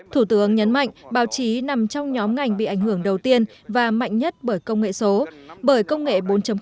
thủ tướng nhấn mạnh báo chí nằm trong nhóm ngành bị ảnh hưởng đầu tiên và mạnh nhất bởi công nghệ số bởi công nghệ bốn